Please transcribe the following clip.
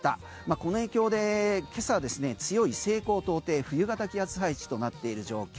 この影響で、今朝は強い西高東低の冬型気圧配置となっている状況。